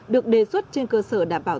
được đề xuất trên cơ sở đảm bảo